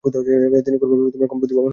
তিনি কোনভাবে কম প্রতিভাবান হবেন না।